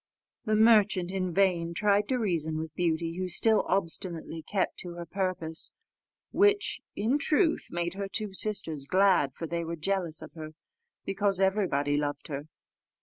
The merchant in vain tried to reason with Beauty, who still obstinately kept to her purpose; which, in truth, made her two sisters glad, for they were jealous of her, because everybody loved her.